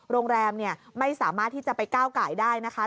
โรงแรมไม่สามารถที่จะไปก้าวไก่ได้นะคะ